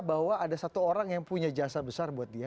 bahwa ada satu orang yang punya jasa besar buat dia